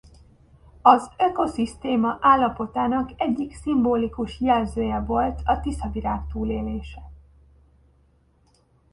Az ökoszisztéma állapotának egyik szimbolikus jelzője volt a tiszavirág túlélése.